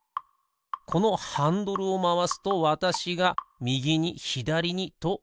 このハンドルをまわすとわたしがみぎにひだりにとうごく箱。